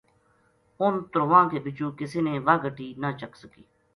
اُنھ ترواں کے بِچو کسے نے واہ گٹی نہ چک سکی